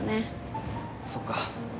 そっか。